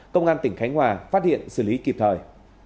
công an tỉnh khánh hòa phát hiện xử lý kịp thời